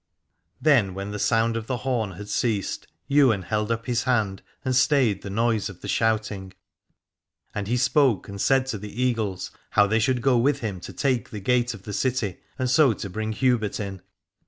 Then when the sound of the horn had ceased Ywain held up his hand and stayed the noise of the shouting, and he spoke and said to the Eagles how they should go with him to take the gate of the city, and so to bring Hubert in.